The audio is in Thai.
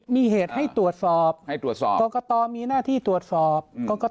มีเหตุให้ตรวจสอบ